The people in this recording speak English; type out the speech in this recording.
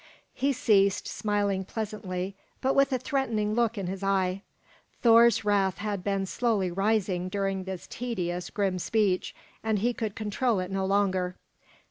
He ceased, smiling pleasantly, but with a threatening look in his eye. Thor's wrath had been slowly rising during this tedious, grim speech, and he could control it no longer.